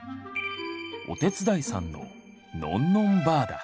お手伝いさんののんのんばあだ。